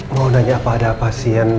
mau nanya apa ada pasien